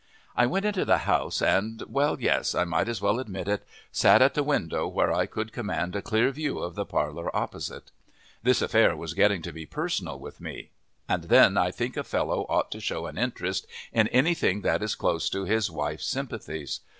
I went into the house and well, yes, I might as well admit it sat at the window where I could command a clear view of the parlor opposite. This affair was getting to be personal with me. And then I think a fellow ought to show an interest in anything that is close to his wife's sympathies.